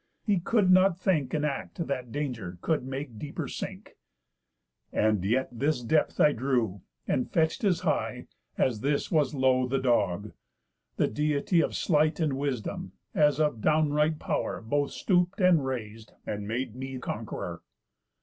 He could not think An act that danger could make deeper sink. And yet this depth I drew, and fetch'd as high, As this was low, the dog. The Deity Of sleight and wisdom, as of downright pow'r, Both stoop'd, and rais'd, and made me conqueror.